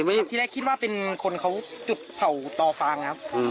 ในแรกสินติว่าเป็นคนเขาจุดเผ่าต่อฟ้า